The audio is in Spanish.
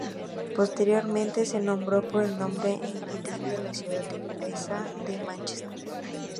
Posteriormente se nombró por el nombre en latín de la ciudad inglesa de Mánchester.